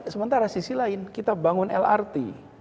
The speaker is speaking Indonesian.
sementara sisi lain kita bangun lrt